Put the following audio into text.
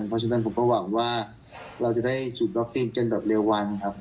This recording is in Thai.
เพราะฉะนั้นผมก็หวังว่าเราจะได้ฉีดวัคซีนกันแบบเร็ววันครับ